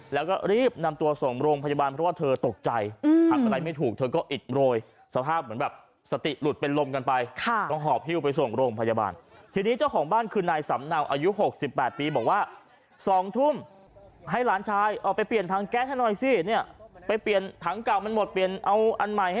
แล้วก็รีบนำตัวส่งโรงพยาบาลเพราะว่าเธอตกใจทำอะไรไม่ถูกเธอก็อิดโรยสภาพเหมือนแบบสติหลุดเป็นลมกันไปต้องหอบฮิ้วไปส่งโรงพยาบาลทีนี้เจ้าของบ้านคือนายสำเนาอายุ๖๘ปีบอกว่า๒ทุ่มให้หลานชายออกไปเปลี่ยนถังแก๊สให้หน่อยสิเนี่ยไปเปลี่ยนถังเก่ามันหมดเปลี่ยนเอาอันใหม่ให้